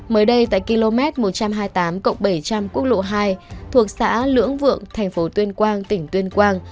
mới đây tại km một trăm hai mươi tám bảy trăm linh quốc lộ hai thuộc xã lưỡng vượng tp tuyên quang tp tuyên quang